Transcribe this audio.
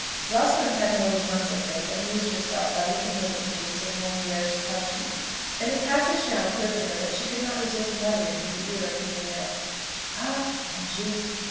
Rosalind had more than once of late amused herself by looking over the pages of Molière's "Tartuffe;" and a passage now occurred to her that she could not resist muttering in the ear of Henrietta: "Ah, mon Dieu!